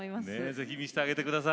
ぜひ見せてあげて下さい。